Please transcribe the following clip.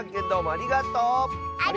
ありがとう！